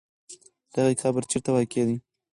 د هغې قبر چېرته واقع دی؟